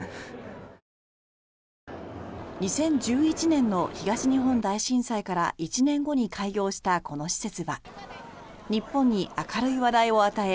２０１１年の東日本大震災から１年後に開業したこの施設は日本に明るい話題を与え